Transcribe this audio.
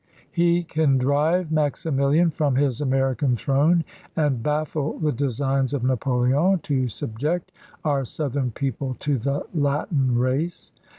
He can drive Maximilian from his American throne, import, and baffle the designs of Napoleon to subject our MS Jan., 1865. Southern people to the " Latin race."